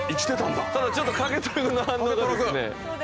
ただちょっと景寅君の反応がですね。